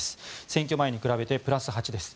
選挙前に比べてプラス８です。